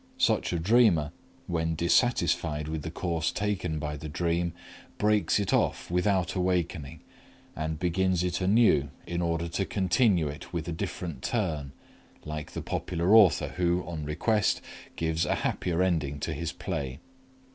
Such a dreamer, when dissatisfied with the course taken by the dream, breaks it off without awakening, and begins it anew in order to continue it with a different turn, like the popular author who, on request, gives a happier ending to his play.